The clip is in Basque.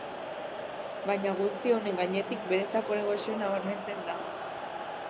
Baina guzti honen gainetik bere zapore goxoa nabarmentzen da.